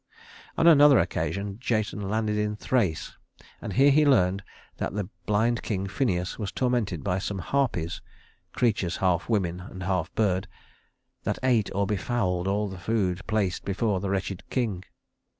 On another occasion Jason landed in Thrace; and here he learned that the blind King Phineus was tormented by some Harpies creatures half women and half bird that ate or befouled all the food placed before the wretched king.